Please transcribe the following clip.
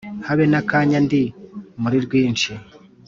habe n'akanya ndi muri rwinshi